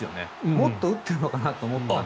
もっと打ってるのかなと思ったので。